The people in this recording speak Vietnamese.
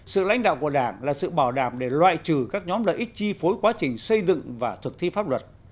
sự lãnh đạo của đảng là sự bảo đảm để loại trừ các nhóm lợi ích chi phối quá trình xây dựng và thực thi pháp luật